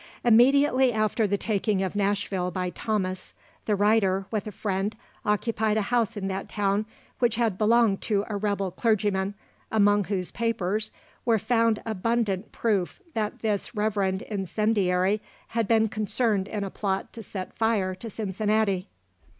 Immediately after the taking of Nashville by Thomas, the writer, with a friend, occupied a house in that town which had belonged to a rebel clergyman, among whose papers were found abundant proof that this reverend incendiary had been concerned in a plot to set fire to Cincinnati.